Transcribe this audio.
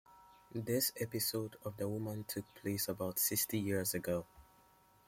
This episode of the woman took place about sixty years ago.